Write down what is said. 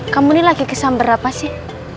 kamu nih lagi kesamber apa sih